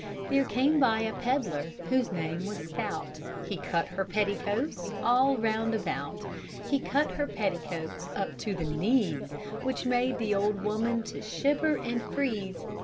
There came by a pedlar whose name was Stout, He cut her petticoats all round about; He cut her petticoats up to the knees, Which made the old woman to shiver and freeze.